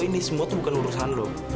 ini semua tuh bukan urusan loh